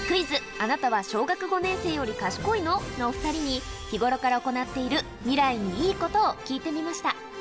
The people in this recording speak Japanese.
あなたは小学５年生より賢いの？の２人に、ふだんから未来にいいことを聞いてみました。